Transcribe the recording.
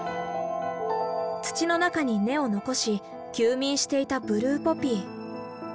土の中に根を残し休眠していたブルーポピー。